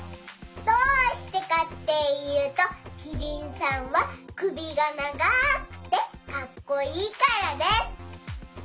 どうしてかっていうとキリンさんはくびがながくてかっこいいからです。